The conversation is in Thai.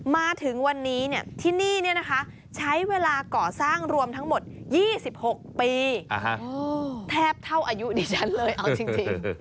มาถึงวันนี้ที่นี่ใช้เวลาก่อสร้างรวมทั้งหมด๒๖ปีแทบเท่าอายุดิฉันเลยเอาจริง